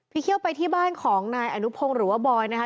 เคี่ยวไปที่บ้านของนายอนุพงศ์หรือว่าบอยนะคะ